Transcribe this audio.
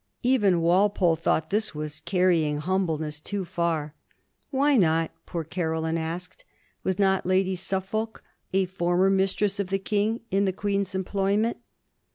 Even Walpole thought this was carrying humbleness too far. "Why not?" poor Caroline asked; was not Lady Suffolk, a former mistress of the King, in the Queen's employ ment?